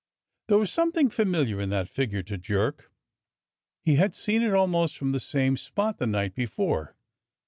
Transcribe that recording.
There was some thing familiar in that figure to Jerk. He had seen it almost from the same spot the night before.